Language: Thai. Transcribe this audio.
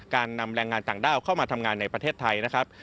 นำแรงงานต่างด้าวเข้ามาทำงานในประเทศไทยนะครับ